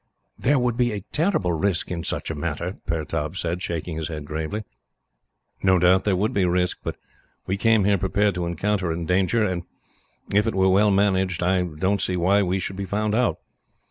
"There would be a terrible risk in such a matter," Pertaub said, shaking his head gravely. "No doubt there would be risk, but we came here prepared to encounter danger, and if it were well managed, I don't see why we should be found out.